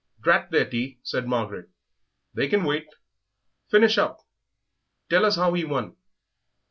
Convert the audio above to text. "Drat their tea," said Margaret; "they can wait. Finish up; tell us how he won."